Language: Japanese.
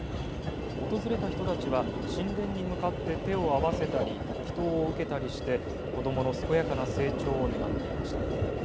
訪れた人たちは神殿に向かって手を合わせたり祈とうを受けたりして、子どもの健やかな成長を願っていました。